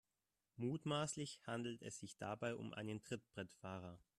Mutmaßlich handelt es sich dabei um einen Trittbrettfahrer.